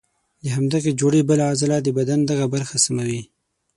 د همدغې جوړې بله عضله د بدن دغه برخه سموي.